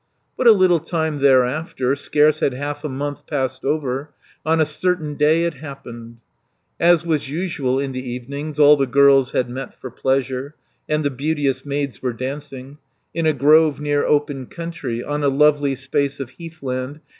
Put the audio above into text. But a little time thereafter, Scarce had half a month passed over, On a certain day it happened. As was usual in the evenings, 190 All the girls had met for pleasure, And the beauteous maids were dancing; In a grove near open country, On a lovely space of heathland.